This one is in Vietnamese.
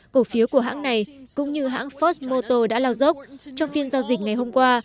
cổ phiếu của hãng này cũng như hãng ford motor đã lao dốc trong phiên giao dịch ngày hôm qua